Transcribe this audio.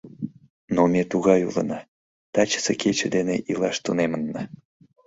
Но ме тугай улына: тачысе кече дене илаш тунемынна.